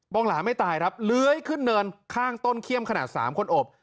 งหลาไม่ตายครับเลื้อยขึ้นเนินข้างต้นเขี้ยมขนาด๓คนอบ